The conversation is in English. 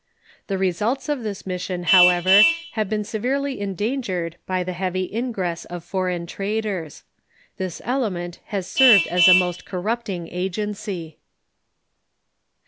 The results of this mission, however, have been se verely endangered by the heavy ingress of foreign traders. This element has served as a most corrupting agency.